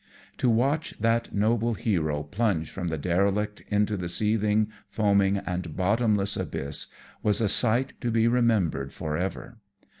To watch that noble hero plunge from the derelict into the seething, foaming, and bottomless abyss, was a sight to be remembered for ever.